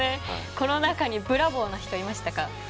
この中にブラボーな人いましたか？